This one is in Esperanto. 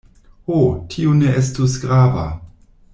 Ho, tio ne estus grava!